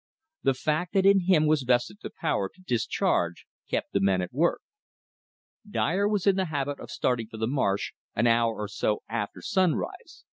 The fact that in him was vested the power to discharge kept the men at work. Dyer was in the habit of starting for the marsh an hour or so after sunrise.